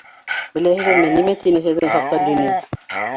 Беләһегеҙме нимә тине һеҙҙең хаҡта Ленин?